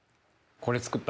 これ作った。